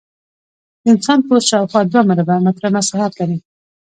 د انسان پوست شاوخوا دوه مربع متره مساحت لري.